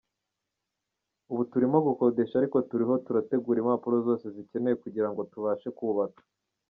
Ubu turimo gukodesha ariko turiho turategura impapuro zose zikenewe kugira ngo tubashe kubaka.